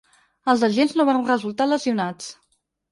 Els agents no van resultar lesionats.